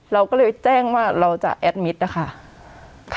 เราก็เลยแจ้งว่าเราจะแอดมิตรนะคะ